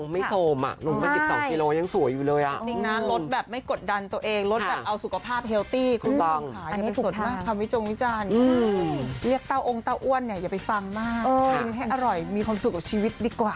ไม่ใช่แค่พี่นิ่งนะทุกคนในกองถ่ายอะไรอย่างนี้